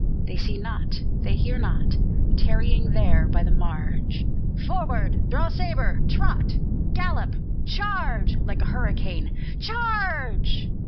They see not, they hear not, Tarrying there by the marge: Forward! Draw sabre! Trot! Gallop! Charge! like a hurricane, _charge!